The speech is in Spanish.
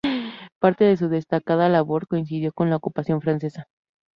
Parte de su destacada labor coincidió con la ocupación francesa.